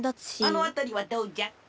あのあたりはどうじゃ？